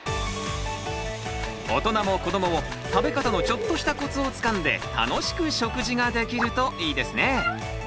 大人も子どもも食べ方のちょっとしたコツをつかんで楽しく食事ができるといいですね！